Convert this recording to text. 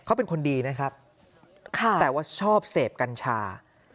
เขาเป็นคนดีนะครับแต่ว่าชอบเสพกัญชา